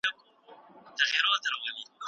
هغه څېړونکی چي مخالفت کوي ځانګړی علمي دلیل لري.